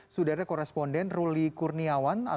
sudara koresponden ruli kurniawan